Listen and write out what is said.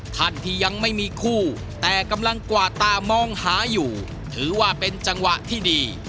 ท่านที่ยังไม่มีคู่แต่กำลังกวาดตามองหาอยู่ถือว่าเป็นจังหวะที่ดี